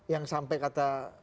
yang sampai kata